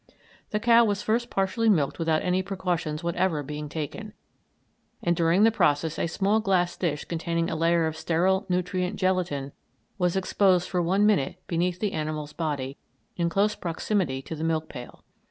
The cow was first partially milked without any precautions whatever being taken, and during the process a small glass dish containing a layer of sterile nutrient gelatine was exposed for one minute beneath the animal's body, in close proximity to the milk pail.